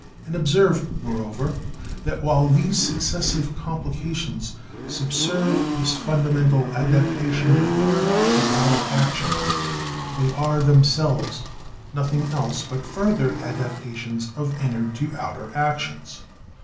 And observe, moreover, that while these succes sive complications subserve this fundamental adaptation of inner to outer actions, they are themselves nothing else but further adaptations of inner to outer actions.